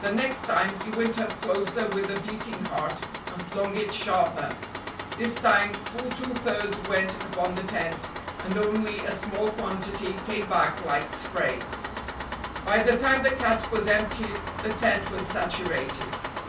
The next time he went up closer with a beating heart, and flung it sharper. This time full two thirds went upon the tent, and only a small quantity came back like spray. By the time the cask was emptied, the tent was saturated.